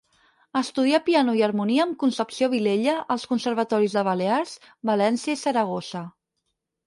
Estudià piano i harmonia amb Concepció Vilella als conservatoris de Balears, València i Saragossa.